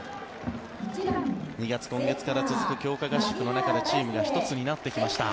今月から続く強化合宿の中でチームが１つになってきました。